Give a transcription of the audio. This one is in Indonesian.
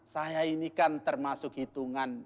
saya ini kan termasuk hitungan